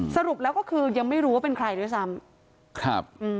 สรุปลงแล้วคือยังไม่รู้เป็นใครด้วยซ้ำ